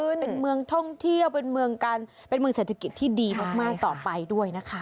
เป็นเมืองท่องเที่ยวเป็นเมืองกันเป็นเมืองเศรษฐกิจที่ดีมากต่อไปด้วยนะคะ